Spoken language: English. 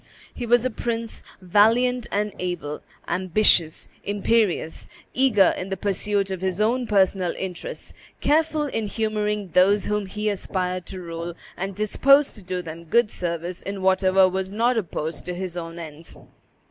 He was a prince valiant and able, ambitious, imperious, eager in the pursuit of his own personal interests, careful in humoring those whom he aspired to rule, and disposed to do them good service in whatever was not opposed to his own ends.